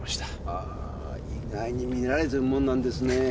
あー意外に見られてるもんなんですね。